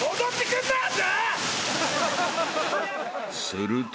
［すると］